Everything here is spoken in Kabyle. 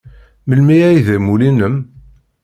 Melmi ay d amulli-nnem?